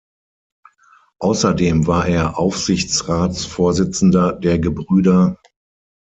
Außerdem war er Aufsichtsratsvorsitzender der Gebr.